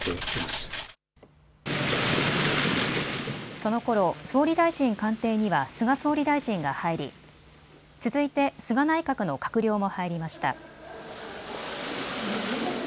そのころ総理大臣官邸には菅総理大臣が入り続いて菅内閣の閣僚も入りました。